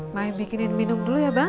main bikinin minum dulu ya bang